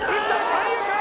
三遊間！